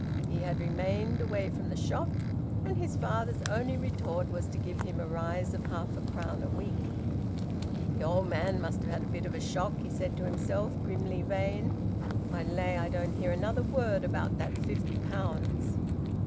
He had remained away from the shop. And his father's only retort was to give him a rise of half a crown a week! "The old man must have had a bit of a shock!" he said to himself, grimly vain. "I lay I don't hear another word about that fifty pounds."